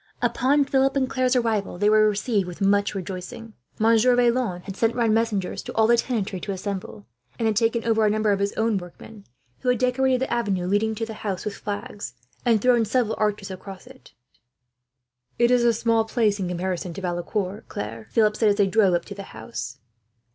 Upon Philip and Claire's arrival, they were received with much rejoicing. Monsieur Vaillant had sent round messengers to all the tenantry to assemble, and had taken over a number of his workmen, who had decorated the avenue leading to the house with flags, and thrown several arches across it. "It is a small place in comparison to Valecourt, Claire," Philip said, as they drove up to the house.